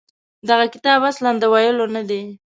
دغه کتاب اصلاً د ویلو نه دی.